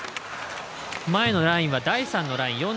前のラインは第３のライン。